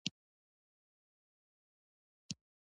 په ژبارواپوهنه کې لومړنۍ هڅې په فلسفي او ښوونیزو څانګو کې وې